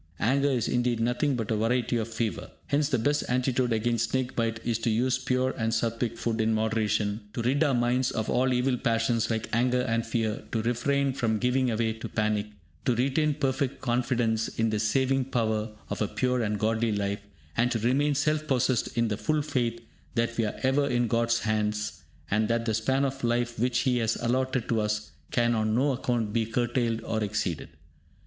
Anger is, indeed, nothing but a variety of fever. Hence the best antidote against snake bite is to use pure and Satvic food in moderation, to rid our minds of all evil passions like anger and fear, to refrain from giving way to panic, to retain perfect confidence in the saving power of a pure and godly life, and to remain self possessed in the full faith that we are ever in God's hands, and that the span of life which He has allotted to us can on no account be curtailed or exceeded.